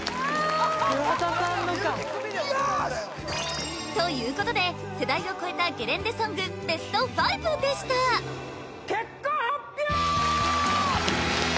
・桑田さんのかよし！ということで世代を超えたゲレンデソングベスト５でした結果発表！